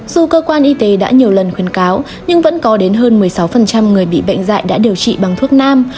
dù cơ quan y tế đã nhiều lần khuyến cáo nhưng vẫn có đến hơn một mươi sáu người bị bệnh dạy đã điều trị bằng thuốc nam